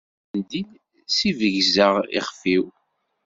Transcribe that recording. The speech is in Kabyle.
D amendil s i begseɣ ixf-iw.